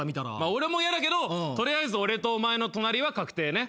俺もやだけど取りあえず俺とお前の隣は確定ね。